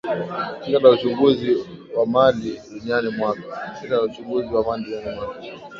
Shirika la uchunguzi wa mali duniani mwaka